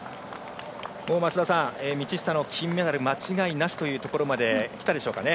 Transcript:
増田さん、道下の金メダル間違いなしというところまできたでしょうかね。